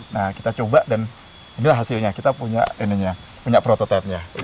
nah kita coba dan inilah hasilnya kita punya ini punya prototipe nya